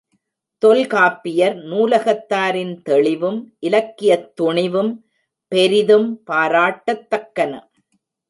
தொல்காப்பியர் நூலகத்தாரின் தெளிவும் இலக்கியத் துணிவும் பெரிதும் பாராட்டத்தக்கன.